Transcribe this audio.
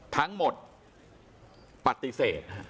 ทั้งหมดปฏิเสธ